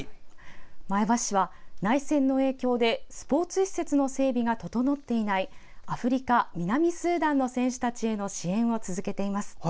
前橋市は、内戦の影響でスポーツ施設の整備が整っていないアフリカ南スーダンの選手たちへの支援を続けています。